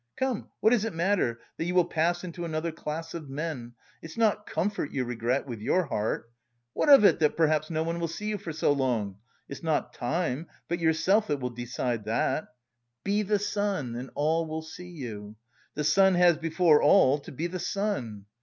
Come, what does it matter, that you will pass into another class of men? It's not comfort you regret, with your heart! What of it that perhaps no one will see you for so long? It's not time, but yourself that will decide that. Be the sun and all will see you. The sun has before all to be the sun.